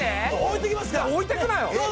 いや置いてくなよ！